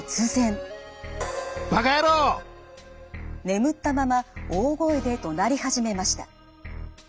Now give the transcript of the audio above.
眠ったまま大声でどなり始めました。